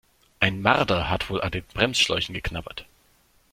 Ein Marder hat wohl an den Bremsschläuchen geknabbert.